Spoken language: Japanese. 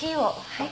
はい。